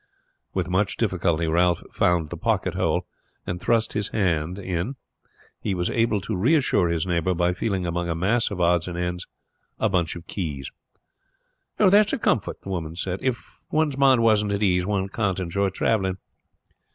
With much difficulty Ralph found the pocket hole, and thrusting his hand in was able to reassure his neighbor by feeling among a mass of odds and ends a bunch of keys. "That's a comfort," the woman said. "If one's mind isn't at ease one can't enjoy traveling."